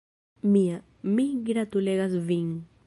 Mia, mi gratulegas vin!